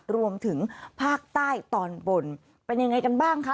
รวมถึงภาคใต้ตอนบนเป็นยังไงกันบ้างคะ